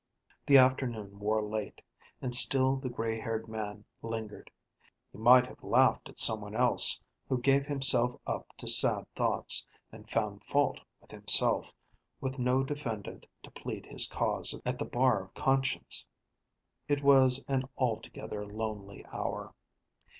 The afternoon wore late, and still the gray haired man lingered. He might have laughed at some one else who gave himself up to sad thoughts, and found fault with himself, with no defendant to plead his cause at the bar of conscience. It was an altogether lonely hour.